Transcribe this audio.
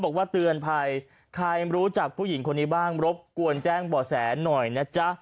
บอกว่าเตือนภัยใครรู้จักผู้หญิงคนนี้บ้างรบกวนแจ้งบ่อแสหน่อยนะจ๊ะ